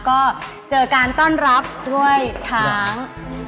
ก็เจอการต้อนรับด้วยช้าง